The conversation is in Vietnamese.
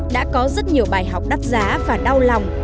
đã có rất nhiều bài học đắt giá và đau lòng